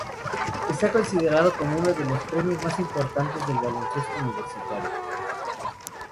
Está considerado como uno de los premios más importantes del baloncesto universitario.